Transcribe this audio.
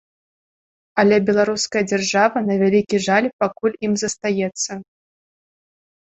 Але беларуская дзяржава, на вялікі жаль, пакуль ім застаецца.